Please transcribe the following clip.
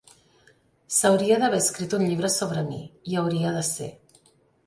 S'hauria d'haver escrit un llibre sobre mi, hi hauria de ser.